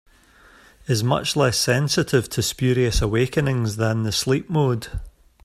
Is much less sensitive to spurious awakenings than the sleep mode.